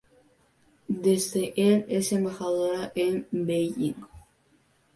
Desde el es embajadora en Beijing.